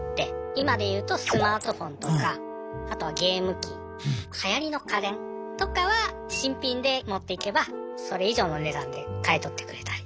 今で言うとスマートフォンとかあとはゲーム機はやりの家電とかは新品で持っていけばそれ以上の値段で買い取ってくれたり。